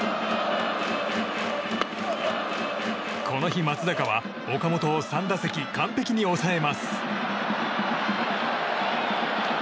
この日、松坂は岡本を３打席完璧に抑えます。